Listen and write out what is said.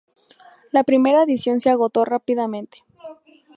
La primera edición se agotó rápidamente.